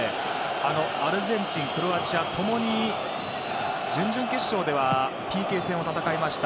アルゼンチンクロアチア共に準々決勝ではＰＫ戦を戦いました。